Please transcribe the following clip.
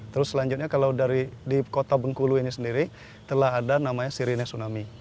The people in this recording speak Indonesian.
terus selanjutnya kalau dari di kota bengkulu ini sendiri telah ada namanya sirine tsunami